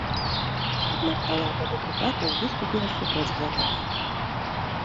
Аднак палата дэпутатаў выступіла супраць гэтага.